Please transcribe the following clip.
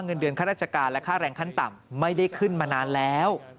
เงินเดือนข้าราชการและค่าแรงขั้นต่ำไม่ได้ขึ้นมานานแล้ว